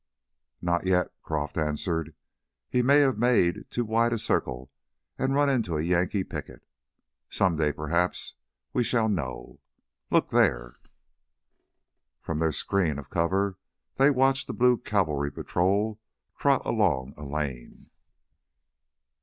"Not yet," Croff answered. "He may have made too wide a circle and run into a Yankee picket. Someday, perhaps, we shall know. Look there!" From their screen of cover they watched a blue cavalry patrol trot along a lane.